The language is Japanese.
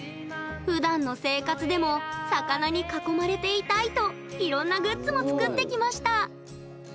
ふだんの生活でも魚に囲まれていたいといろんなグッズも作ってきました。